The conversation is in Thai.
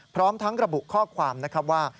พร้อมทั้งระบุข้อความนะครับว่า